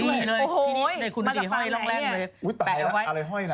ที่นี่ในคุณฤดีห้อยร่องแรงเลย